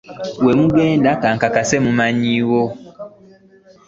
We mugenda nkakasa mumanyiiwo.